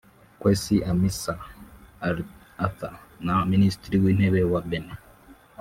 Kwesi Amissah-Arthur na Minisitiri w’Intebe wa Benin